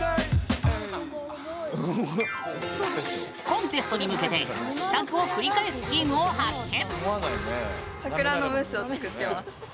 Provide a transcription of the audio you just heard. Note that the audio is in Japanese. コンテストに向けて試作を繰り返すチームを発見！